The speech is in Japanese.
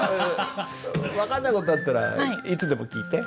分かんない事あったらいつでも聞いて。